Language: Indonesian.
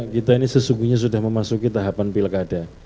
kita ini sesungguhnya sudah memasuki tahapan pilkada